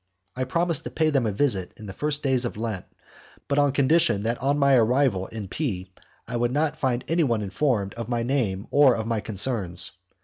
I promised to pay them a visit in the first days of Lent, but on condition that on my arrival in P I would not find anyone informed of my name or of my concerns.